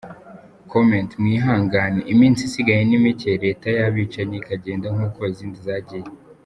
Comment:mwihangangane iminsi isigaye nimike leta yabicanyi ikagenda nkuko izindi zagiye